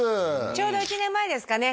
ちょうど１年前ですかね？